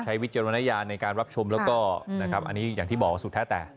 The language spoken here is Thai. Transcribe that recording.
วิจารณญาณในการรับชมแล้วก็นะครับอันนี้อย่างที่บอกว่าสุดแท้แต่